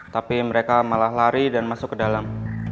tapi mereka malah lari dan masuk ke dalam